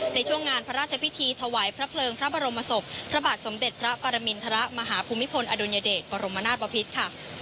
ในช่วงงานพระราชพิธีถวายพระเพลิงพระบรมศพพระบาทสมเด็จพระปรมินทรมาฮภูมิพลอดุลยเดชบรมนาศบพิษค่ะ